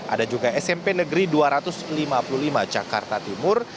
ada juga smp negeri dua ratus lima puluh lima jakarta timur